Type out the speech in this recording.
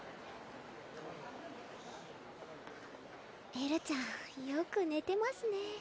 エルちゃんよくねてますね